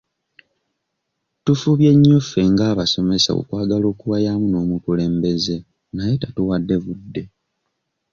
Tufubye nnyo ffe ng'abasomesa okwagala okuwayaamu n'omukulembeze naye tatuwadde budde.